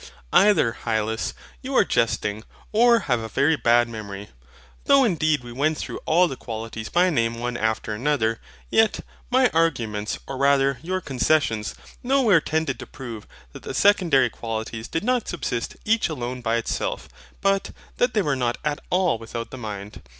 Either, Hylas, you are jesting, or have a very bad memory. Though indeed we went through all the qualities by name one after another, yet my arguments or rather your concessions, nowhere tended to prove that the Secondary Qualities did not subsist each alone by itself; but, that they were not AT ALL without the mind.